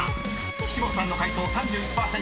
［岸本さんの解答３１％。